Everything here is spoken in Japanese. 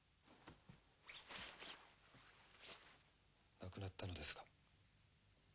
亡くなったのですか？